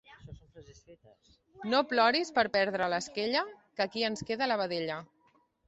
No ploris per perdre l'esquella, que aquí ens queda la vedella.